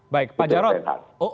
baik pak jarod